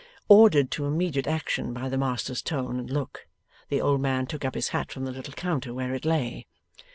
Ordered to immediate action by the master's tone and look, the old man took up his hat from the little counter where it lay.